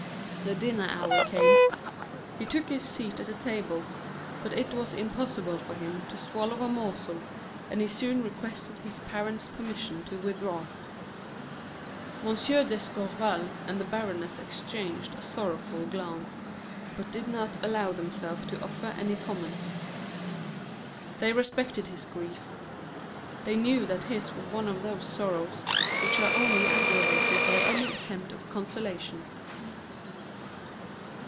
The dinner hour came; he took his seat at the table, but it was impossible for him to swallow a morsel, and he soon requested his parents' permission to withdraw. M. d'Escorval and the baroness exchanged a sorrowful glance, but did not allow themselves to offer any comment. They respected his grief. They knew that his was one of those sorrows which are only aggravated by any attempt at consolation.